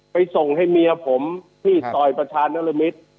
ไปส่งให้เมียผมพี่ต่อยประชานรมิตรอ๋อ